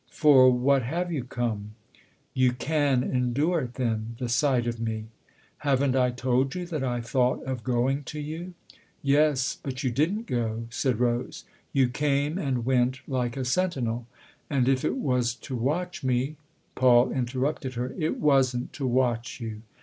" For what have you come ?"" You can endure it, then, the sight of me ?"" Haven't I told you that I thought of going to you ?" "Yes but you didn't go," said Rose. "You came and went like a sentinel, and if k was to watch me " Paul interrupted her. " It wasn't to watch you."